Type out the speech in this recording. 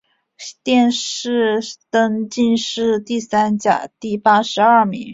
殿试登进士第三甲第八十二名。